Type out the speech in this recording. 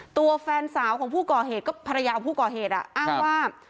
ตัวแฟนสาวของผู้ก่อเหตุก็ภรรยาของผู้ก่อเหตุอ้างว่า